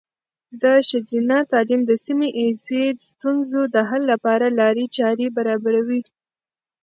د ښځینه تعلیم د سیمه ایزې ستونزو د حل لپاره لارې چارې برابروي.